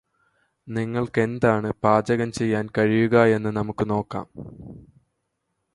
നിങ്ങൾക്കെന്താണ് പാചകം ചെയ്യാൻ കഴിയുകായെന്ന് നമുക്ക് നോക്കാം